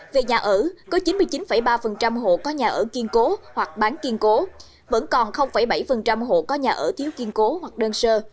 về nhà ở có chín mươi chín ba hộ có nhà ở kiên cố hoặc bán kiên cố vẫn còn bảy hộ có nhà ở thiếu kiên cố hoặc đơn sơ